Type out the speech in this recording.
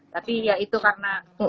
tapi ya itu karena